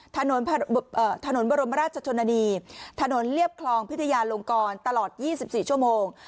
ถนนถนนบรมราชชนนานีถนนเรียบคลองพิทยาลงกรตลอด๒๔ชั่วโมง